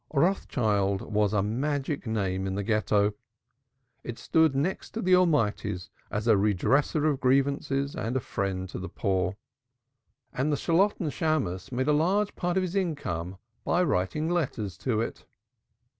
Rothschild was a magic name in the Ghetto; it stood next to the Almighty's as a redresser of grievances and a friend of the poor, and the Shalotten Shammos made a large part of his income by writing letters to it.